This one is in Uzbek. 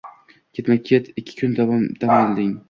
Ketma-ket ikki kun dam olgan.